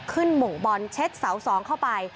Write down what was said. หม่งบอลเช็ดเสา๒เข้าไป